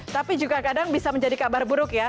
tapi juga kadang bisa menjadi kabar buruk ya